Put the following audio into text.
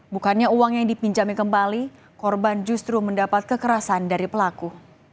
bukannya uang yang dipinjami kembali korban justru mendapat kekerasan dari pelaku